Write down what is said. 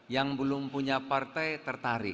yang belum punya partai tertarik